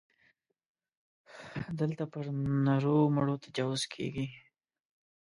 دلته پر نرو مړو تجاوز کېږي.